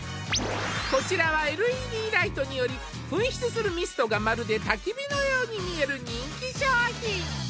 こちらはＬＥＤライトにより噴出するミストがまるで焚き火のように見える人気商品